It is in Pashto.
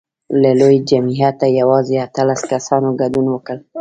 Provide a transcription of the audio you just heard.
له لوی جمعیته یوازې اتلس کسانو ګډون وکړ.